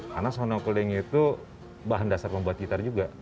karena sonokling itu bahan dasar membuat gitar juga